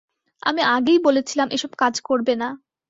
আমি আগেই বলেছিলাম এসব কাজ করবে না!